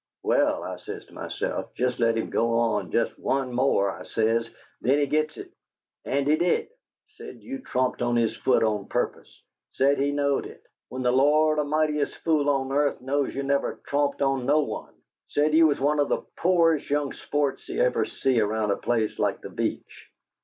'Well,' I says to myself, 'jest let him go on, jest one more,' I says, 'then he gits it.' And he did. Said you tromped on his foot on purpose, said he knowed it, when the Lord a'mightiest fool on earth knows you never tromped on no one! Said you was one of the po'rest young sports he ever see around a place like the Beach.